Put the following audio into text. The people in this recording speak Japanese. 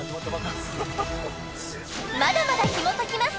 まだまだひも解きます